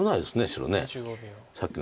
白さっきの形。